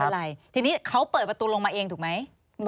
อะไรทีนี้เขาเปิดประตูลงมาเองถูกไหม